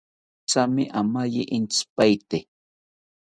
Thame amaye intzipaete